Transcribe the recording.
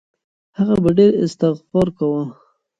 هغه به ډېر استغفار کاوه.